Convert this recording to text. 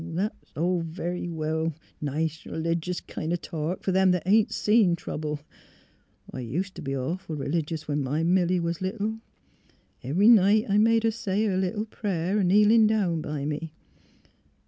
" That's all very well — nice r'ligious kind of talk — fer them that ain't seen trouble. I us't t' be awful r'ligious when my Milly was little. Every night I made her say her little prayer, a kneelin' down by me.